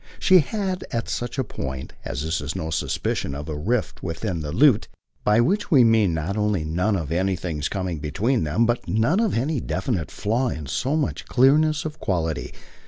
She had at such a point as this no suspicion of a rift within the lute by which we mean not only none of anything's coming between them, but none of any definite flaw in so much clearness of quality.